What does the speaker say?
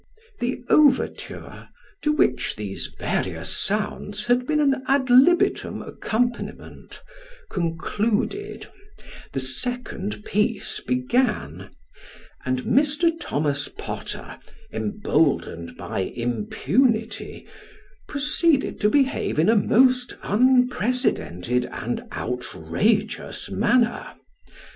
The overture to which these various sounds had been an ad libitum accompaniment concluded, the second piece began, and Mr. Thomas Potter, emboldened by impunity, proceeded to behave in a most un precedented and outrageous manner.